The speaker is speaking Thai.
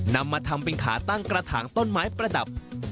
นำมาทำเป็นขาตั้งกระถางต้นไม้ประดับ